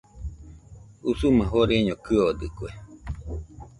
Usuma joreño kɨodɨkue.